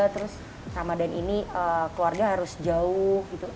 terus ramadhan ini keluarga harus jauh gitu